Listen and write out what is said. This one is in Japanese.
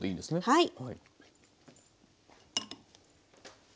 はい。